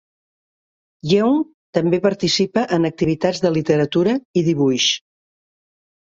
Yeung també participa en activitats de literatura i dibuix.